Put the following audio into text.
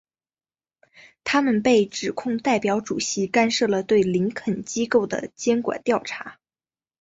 他们被指控代表主席干涉了对林肯机构的监管调查。